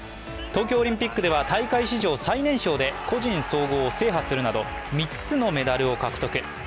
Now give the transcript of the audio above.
東京オリンピックでは大会史上最年少で個人総合を制覇するなど３つのメダルを獲得。